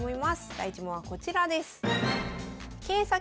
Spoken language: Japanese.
第１問はこちらです。